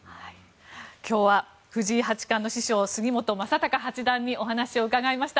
今日は藤井八冠の師匠杉本昌隆八段にお話を伺いました。